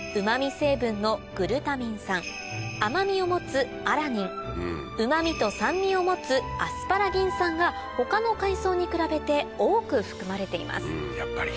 成分のグルタミン酸甘味を持つアラニンうま味と酸味を持つアスパラギン酸が他の海藻に比べて多く含まれています